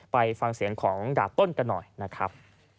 ไปฟังเสียงของดาบต้นกันหน่อยนะครับ